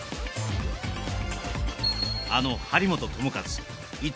あの張本智和伊藤